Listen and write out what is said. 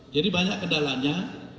jadi banyak kendalanya